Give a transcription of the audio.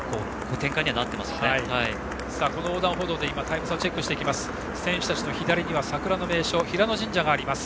通過した横断歩道でタイム差をチェックしていきます。